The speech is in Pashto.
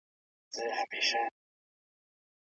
د ښووني پوهنځۍ په ناڅاپي ډول نه انتقالیږي.